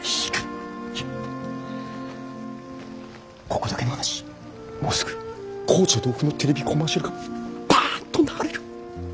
ここだけの話もうすぐ紅茶豆腐のテレビコマーシャルがバンと流れる。